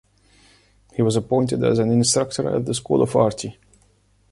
He was appointed as an instructor at the School of Arty.